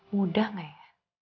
mudah gak ya